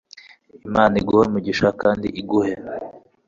Imana iguhe imigisha kandi iguhe